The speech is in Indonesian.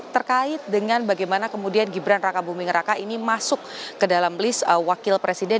terkait dengan bagaimana kemudian gibran raka buming raka ini masuk ke dalam list wakil presiden